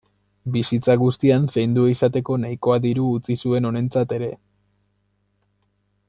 Bizitza guztian zaindua izateko nahikoa diru utzi zuen honentzat ere.